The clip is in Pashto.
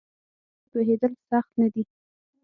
پر عواملو یې پوهېدل سخت نه دي